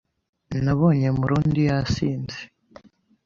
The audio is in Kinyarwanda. Nabonye Murundi yasinze.